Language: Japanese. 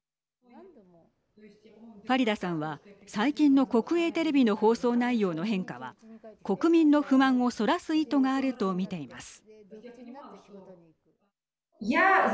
ファリダさんは最近の国営テレビの放送内容の変化は国民の不満をそらす意図があると見ています。